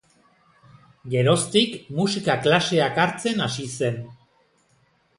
Geroztik musika klaseak hartzen hasi zen.